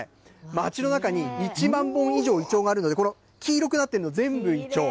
町の中に１万本以上イチョウがあるので、この黄色くなってるの全部イチョウ。